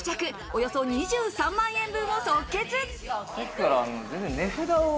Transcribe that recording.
およそ２３万円分を即決。